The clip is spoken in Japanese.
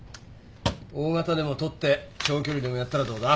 大型でも取って長距離でもやったらどうだ？